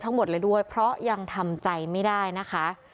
ทั้งหมดเลยด้วยเพราะยังทำใจไม่ได้นะคะ